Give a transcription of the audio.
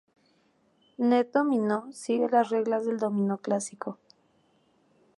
Net Dominó sigue las reglas del dominó clásico.